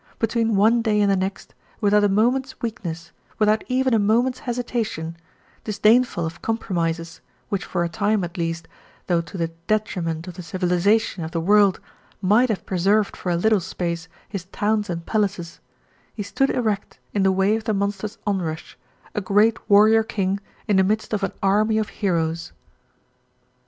Between one day and the next, without a moment's weakness, without even a moment's hesitation, disdainful of compromises, which for a time, at least, though to the detriment of the civilisation of the world, might have preserved for a little space his towns and palaces, he stood erect in the way of the Monster's onrush, a great warrior king in the midst of an army of heroes.